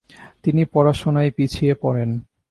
তিনি পড়াশোনায় পিছিয়ে পড়েন ।